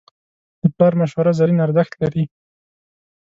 د پلار مشوره زرین ارزښت لري.